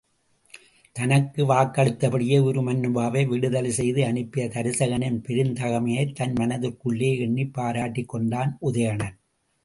தனக்கு வாக்களித்தபடியே உருமண்ணுவாவை விடுதலை செய்து அனுப்பிய தருசகனின் பெருந்தகைமையை தன் மனத்திற்குள்ளே எண்ணிப் பாராட்டிக் கொண்டான் உதயணன்.